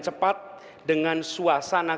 cepat dengan suasana